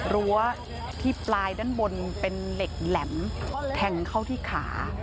รั้วที่ปลายด้านบนเป็นเหล็กแหลมแทงเข้าที่ขา